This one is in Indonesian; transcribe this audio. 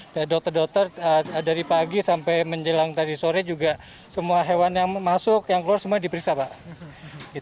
dari dokter dokter dari pagi sampai menjelang tadi sore juga semua hewan yang masuk yang keluar semua diperiksa pak